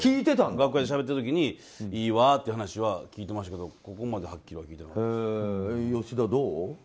楽屋でしゃべってた時にいいわという話は聞いてましたけどここまではっきりは吉田、どう？